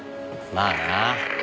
まあな。